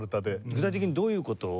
具体的にどういう事を？